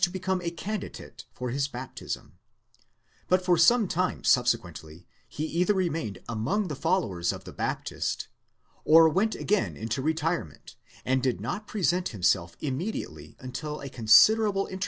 become a candidate for his baptism; but for some time subsequently, he either remained among the followers of the Baptist, or went again into retire ment, and did not present himself independently until a considerable interval.